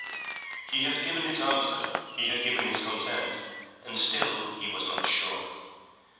He had given his answer, he had given his consent, and still he was not sure.